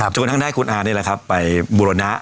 จนกว่าทางด้านคุณอาเนี่ยแหละครับไปบุรณะ